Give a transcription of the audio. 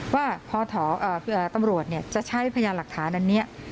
ว่าตำรวจจะใช้พยานหลักฐานอันนี้